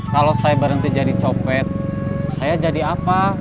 kalau saya berhenti jadi copet saya jadi apa